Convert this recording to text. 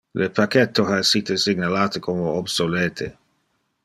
Le pacchetto ha essite signalate como obsolete.